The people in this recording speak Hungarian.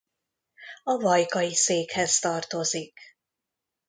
A vajkai székhez tartozik.